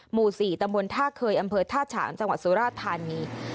หมู่๔ตำบลท่าเคยอำเภอท่าฉางจังหวัดสุราธานี